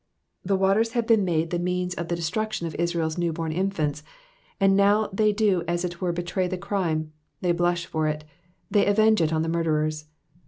^'' The waters had been made the means of the destruction of Israel's newborn infants, and now they do as it were betray the crime — they blush for it, they avenge it on the murderers.